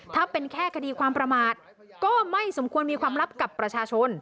ถ้าเป็นแค่คดีความประมาทก็ไม่สมควรมีความลับกับประชาชน